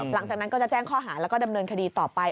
หลังจากนั้นก็จะแจ้งข้อหาแล้วก็ดำเนินคดีต่อไป